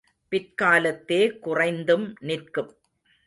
பிற்காலத்தே குறைந்தும் நிற்கும்.